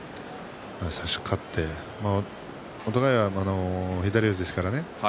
差し勝って、お互いに左四つですからね。